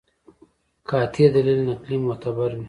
قاطع دلیل نقلي معتبر وي.